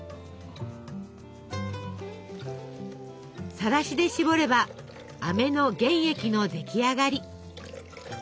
さらしでしぼればあめの原液の出来上がり。